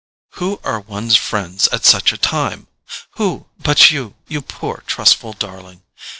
"Who are one's friends at such a time? Who, but you, you poor trustful darling?